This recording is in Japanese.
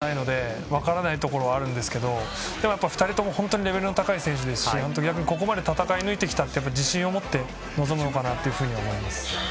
僕自身立ったことがないので分からないところはありますが２人ともレベルの高い選手ですし逆にここまで戦い抜いてきた自信を持って臨むのかなと思います。